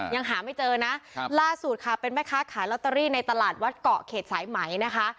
ยังหาไม่เจอนะล่าสุดค่ะเป็นแม่ค้าขายลอตเตอรี่ในตลาดวัดเกาะเขตสายไหมนะคะ